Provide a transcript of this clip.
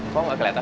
kok gak keliatan